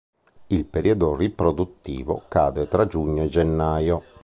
Il periodo riproduttivo cade fra giugno e gennaio.